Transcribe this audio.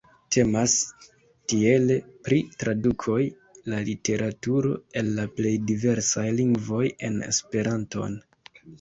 Temas tiele pri tradukoj de literaturo el la plej diversaj lingvoj en Esperanton.